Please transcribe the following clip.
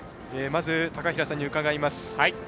まず、高平さんに伺います。